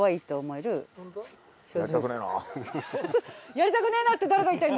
「やりたくねえなあ」って誰が言った？